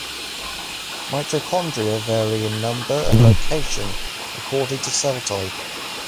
Mitochondria vary in number and location according to cell type.